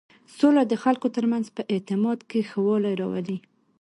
سوله د خلکو تر منځ په اعتماد کې ښه والی راولي.